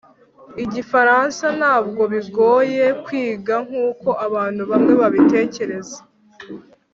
igifaransa ntabwo bigoye kwiga nkuko abantu bamwe babitekereza